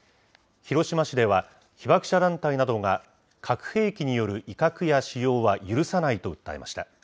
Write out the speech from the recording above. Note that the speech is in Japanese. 広島市では、被爆者団体などが核兵器による威嚇や使用は許さないと訴えました。